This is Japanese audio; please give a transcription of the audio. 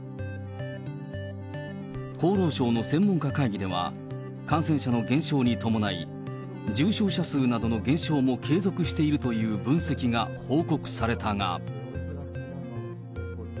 厚労省の専門家会議では、感染者の減少に伴い、重症者数などの減少も継続しているという分析が報告されたが。